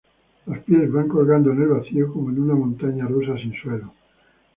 Los pies van colgando en el vacío como en una montaña rusa sin suelo.